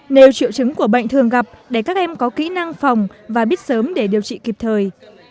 nếu triệu chứng của bệnh thường gặp để các em có kỹ năng phòng và biết sớm để điều trị kịp thời